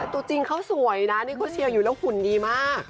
ตัวจริงเขาสวยนะนี่เขาเชียร์อยู่แล้วหุ่นดีมาก